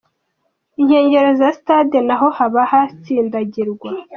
Inkengero za sitade naho haba hatsindagirwa .